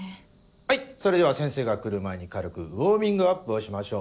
はいそれでは先生が来る前に軽くウオーミングアップをしましょう。